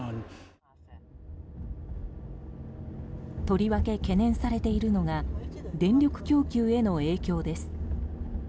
とりわけ懸念されているのが電力供給への影響です。